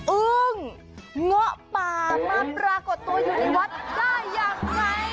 อึ้งเงาะป่ามาปรากฏตัวอยู่ในวัดได้อย่างไร